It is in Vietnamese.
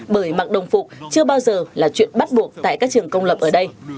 bởi mặc đồng phục chưa bao giờ là chuyện bắt buộc tại các trường công lập ở đây